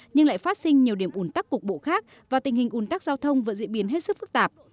nhưng lại phát sinh nhiều điểm ủn tắc cục bộ khác và tình hình ủn tắc giao thông vẫn diễn biến hết sức phức tạp